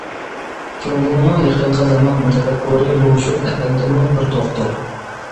جۇڭگونىڭ يېقىنقى زامان مۇتەپەككۇرى لۇشۈن ئەپەندىمۇ بىر دوختۇر.